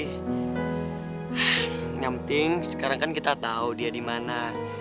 yang penting sekarang kan kita tahu dia di mana